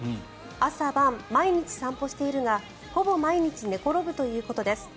朝晩毎日散歩しているがほぼ毎日寝転ぶということです。